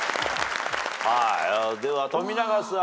では富永さん。